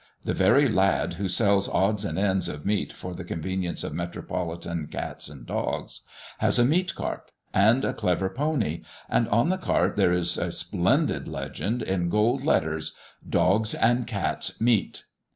The very lad who sells odds and ends of meat for the convenience of Metropolitan cats and dogs, has a meat cart, and a clever pony; and on the cart there is a splendid legend, in gold letters "Dog's and Cat's Meat."